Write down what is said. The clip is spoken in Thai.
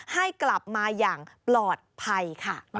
ให้กลับมาอย่างปลอดภัยค่ะ